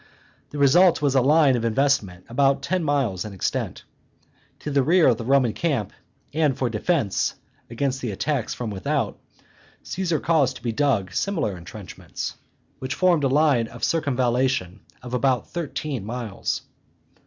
The result was a line of investment about ten miles in extent. To the rear of the Roman camp, and for defence against attacks from without, Caesar caused to be dug similar intrenchments, which formed a line of circumvallation of about thirteen miles.